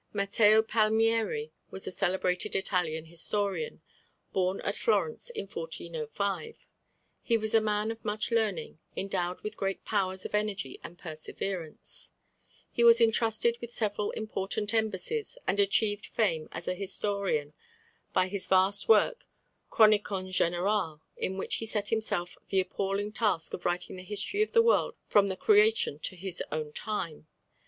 Matteo Palmieri was a celebrated Italian historian, born at Florence in 1405; he was a man of much learning, endowed with great powers of energy and perseverance; he was entrusted with several important embassies, and achieved fame as an historian by his vast work Chronicon Générale, in which he set himself the appalling task of writing the history of the world from the creation to his own time.